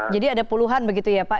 jadi ada puluhan begitu ya pak